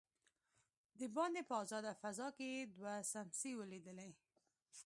دباندې په آزاده فضا کې يې دوه سمڅې وليدلې.